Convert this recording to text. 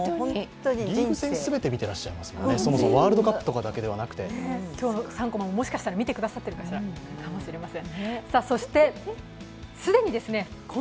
リーグ戦全て見ていらっしゃいますもんね、そもともワールドカップとかだけではなくて。今日の「３コマ」も見てくださってるかもしれません。